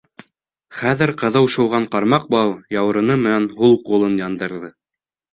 Хәҙер ҡыҙыу шыуған ҡармаҡ бауы яурыны менән һул ҡулын яндырҙы.